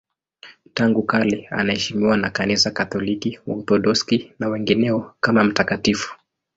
Tangu kale anaheshimiwa na Kanisa Katoliki, Waorthodoksi na wengineo kama mtakatifu.